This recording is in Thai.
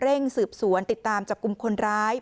สืบสวนติดตามจับกลุ่มคนร้าย